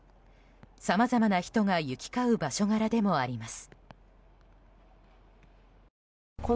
さまざまな人が行き交う場所柄でもあります。